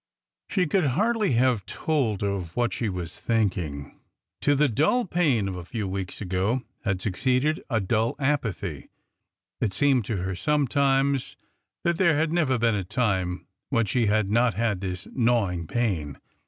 She could hardly have told of what she was thinking. To the sharp pain of a few weeks ago had succeeded a dull apathy. It seemed to her sometimes that there had never been a time when she had not had this gnawing pain.